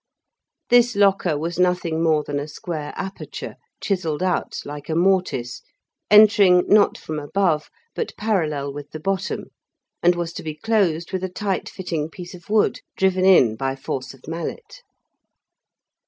This locker was nothing more than a square aperture chiselled out like a mortice, entering not from above but parallel with the bottom, and was to be closed with a tight fitting piece of wood driven in by force of mallet.